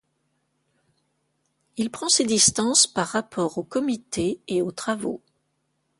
Il prend ses distances par rapport au comité et aux travaux.